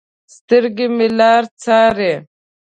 سترګې مې لار څارې